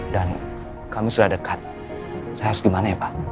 dan kamu sudah dekat saya harus gimana ya pak